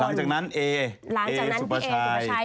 หลังจากนั้นเอซุปชัย